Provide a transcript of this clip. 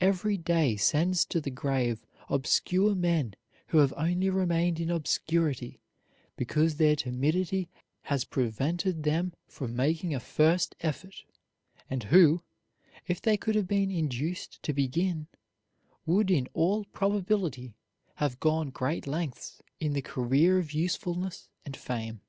Every day sends to the grave obscure men who have only remained in obscurity because their timidity has prevented them from making a first effort; and who, if they could have been induced to begin, would in all probability have gone great lengths in the career of usefulness and fame.